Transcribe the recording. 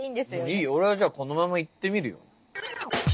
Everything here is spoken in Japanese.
いいよ俺はじゃあこのままいってみるよ。